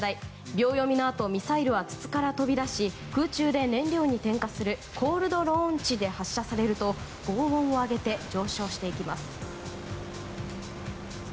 秒読みのあとミサイルは筒から飛び出し空中で燃料に点火するコールドローンチで発射されると轟音を上げて上昇していきます。